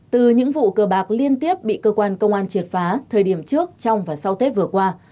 từ những vụ cờ bạc liên tiếp bị cơ quan công an triệt phá thời điểm trước trong và sau tết vừa qua